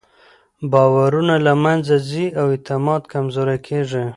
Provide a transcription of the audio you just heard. باورونه له منځه ځي او اعتماد کمزوری کېږي.